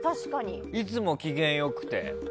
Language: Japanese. いつも機嫌良くて。